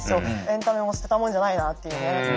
エンタメも捨てたもんじゃないなっていうね。